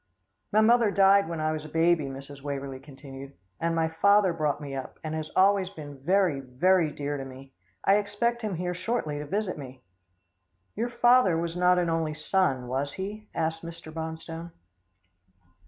"My mother died when I was a baby," Mrs. Waverlee continued, "and my father brought me up, and has always been very, very dear to me. I expect him here shortly to visit me." "Your father was not an only son, was he?" asked Mr. Bonstone.